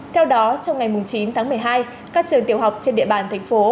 theo đó trong ngày chín tháng một mươi hai các trường tiểu học trên địa bàn tp